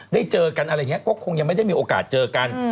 เจอกันอะไรอย่างนี้ก็คงยังไม่ได้มีโอกาสเจอกัน